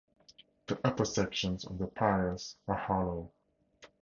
The upper sections of the piers are hollow.